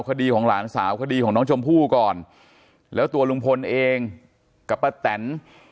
คดีของหลานสาวคดีของน้องชมพู่ก่อนแล้วตัวลุงพลเองกับป้าแตน